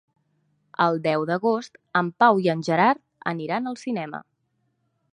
El deu d'agost en Pau i en Gerard aniran al cinema.